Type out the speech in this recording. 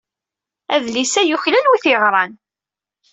Adlis-a yuklal wi t-yeɣran.